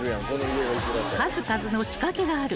［数々の仕掛けがある